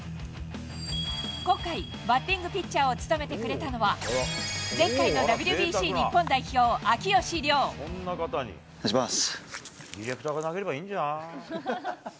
今回、バッティングピッチャーを務めてくれたのは、前回のＷＢＣ日本代お願いします。